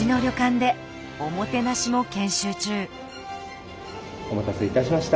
お待たせいたしました。